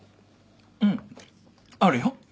うんあるよ。